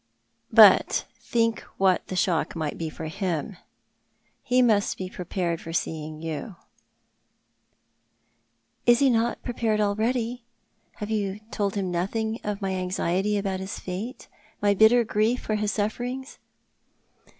" But think what the shock might be for him. He must bo prepared for seeing you." U 290 Thoit, art the Man. " Is he not prepared already ? Have you told liim Lothing of my anxiety about his fate — my bitter grief for his suffer ings?"